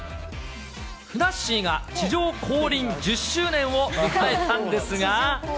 ふなっしーが地上降臨１０周年を迎えたんですが。